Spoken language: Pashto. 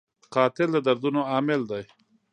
قاتل د دردونو عامل دی